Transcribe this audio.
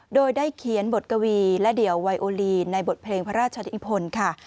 โดยได้เขียนบทกวีและเดี่ยวไวโอลีในบทเพลงพระราชนิพลค่ะ